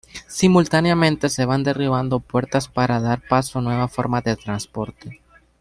Simultáneamente se van derribando puertas para dar paso a nuevas formas de transporte.